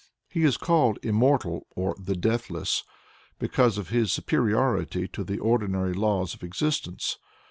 He is called "Immortal" or "The Deathless," because of his superiority to the ordinary laws of existence.